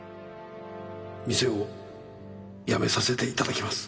店を辞めさせていただきます。